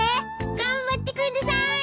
頑張ってください。